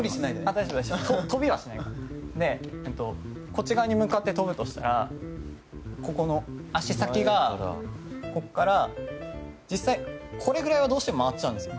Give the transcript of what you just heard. こっち側に向かって跳ぶとしたら足先がここから、実際これぐらいはどうしても回っちゃうんです。